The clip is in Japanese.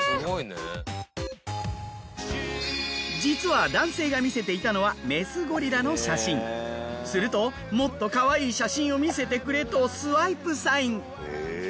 実は男性が見せていたのはするともっとかわいい写真を見せてくれとスワイプサイン。